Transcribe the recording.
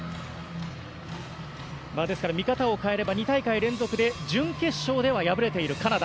ですから見方を変えれば２大会連続で準決勝では敗れているカナダ。